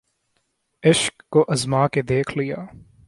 عشق کو آزما کے دیکھ لیا